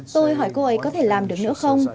tôi hỏi cô ấy có thể làm được nữa không